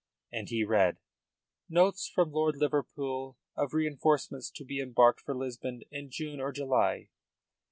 And he read: "'Note from Lord Liverpool of reinforcements to be embarked for Lisbon in June or July.